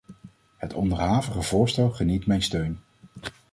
Het onderhavige voorstel geniet mijn steun.